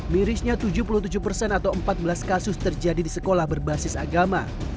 mirisnya tujuh puluh tujuh persen atau empat belas kasus terjadi di sekolah berbasis agama